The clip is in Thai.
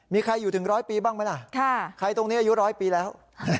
มีใครอยู่ถึงร้อยปีบ้างไหมล่ะใครตรงนี้อายุร้อยปีแล้ว